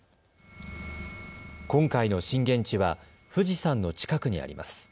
今回の震源地は富士山の近くにあります。